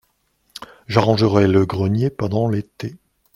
J’arrangerai le grenier pendant l’été.